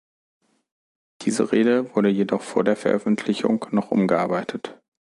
Diese Rede wurde jedoch vor der Veröffentlichung noch umgearbeitet.